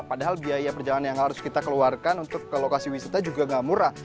padahal biaya perjalanan yang harus kita keluarkan untuk ke lokasi wisata juga gak murah